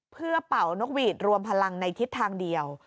เพื่อเป่านกหวีดรวมพลังในทิศทางเดียว